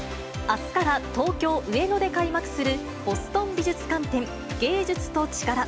あすから東京・上野で開幕するボストン美術館展・芸術と力。